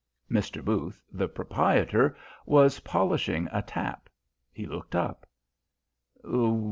Mr. Booth, the proprietor, was polishing a tap. He looked up.